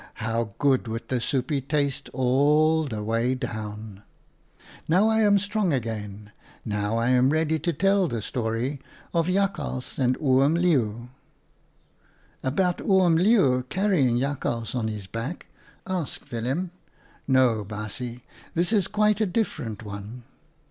How good would the soopje taste all the way down ! Now I am strong again ; now I am ready to tell the story of Jakhals and Oom Leeuw." "About Oom Leeuw carrying Jakhals on his back ?" asked Willem. "No, baasje. This is quite a different one."